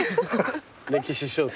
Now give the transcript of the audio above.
歴史小説？